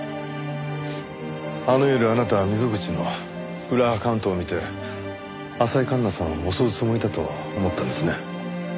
あの夜あなたは溝口の裏アカウントを見て浅井環那さんを襲うつもりだと思ったんですね？